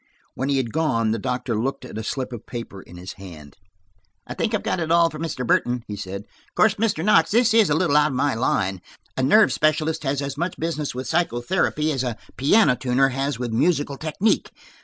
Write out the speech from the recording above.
When he had gone the doctor looked at a slip of paper in his hand. "I think I've got it all from Mr. Burton," he said. "Of course, Mr. Knox, this is a little out of my line; a nerve specialist has as much business with psychotherapy as a piano tuner has with musical technique.